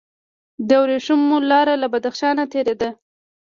د ورېښمو لاره له بدخشان تیریده